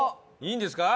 いいんですか？